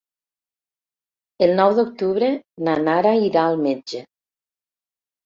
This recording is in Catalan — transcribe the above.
El nou d'octubre na Nara irà al metge.